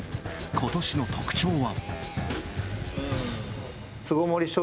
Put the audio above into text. ことしの特徴は。